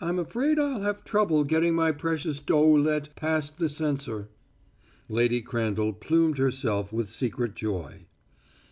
I'm afraid I'll have trouble getting my precious Doeuillet past the censor." Lady Crandall plumed herself with secret joy.